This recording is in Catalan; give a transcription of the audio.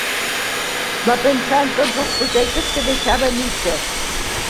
Va pensar en tots els projectes que deixava a mitges.